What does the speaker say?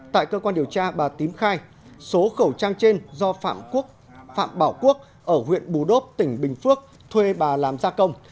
tại cơ quan điều tra bà tín khai số khẩu trang trên do phạm bảo quốc ở huyện bù đốp tỉnh bình phước thuê bà làm gia công